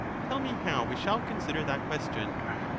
Tell me how we shall consider that question.